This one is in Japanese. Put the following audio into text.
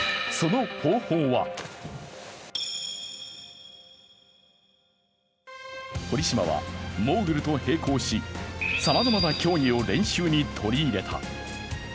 その方法は堀島はモーグルと並行しさまざまな競技を練習に取り入れた。